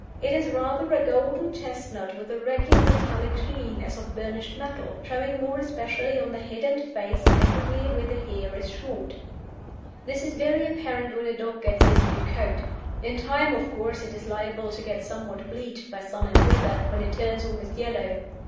It is rather a golden chestnut with a regular metallic sheen as of burnished metal, showing more especially on the head and face and everywhere where the hair is short. This is very apparent when a dog gets his new coat. In time, of course, it is liable to get somewhat bleached by sun and weather, when it turns almost yellow.